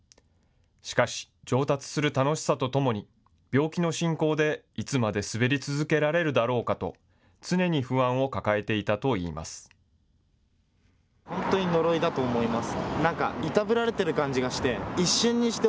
しかし、上達する楽しさとともに、病気の進行でいつまで滑り続けられるだろうかと、常に不安を抱えていたといいます。